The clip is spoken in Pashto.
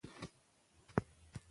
پکې بېلابېل ادبي او علمي مواد شته.